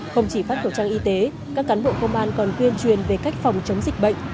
không chỉ phát khẩu trang y tế các cán bộ công an còn tuyên truyền về cách phòng chống dịch bệnh